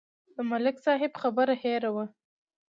د ملک صاحب خبره هېره وه.